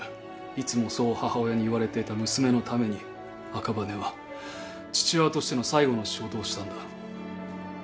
いつもそう母親に言われていた娘のために赤羽は父親としての最後の仕事をしたんだ。